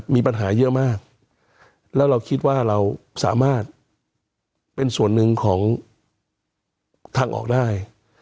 มีปัญหาเยอะมากแล้วเราคิดว่าเราสามารถเป็นส่วนหนึ่งของทางออกได้